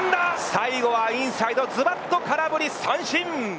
最後はインサイドズバッと空振り三振！